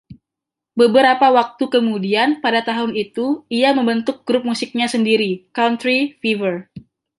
Beberapa waktu kemudian pada tahun itu ia membentuk grup musiknya sendiri, Country Fever.